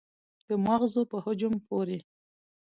د مغزو په حجم پورې